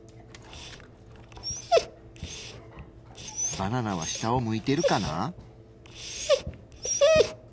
バナナは下を向いてるかな？